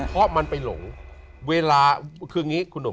เพราะมันไปหลง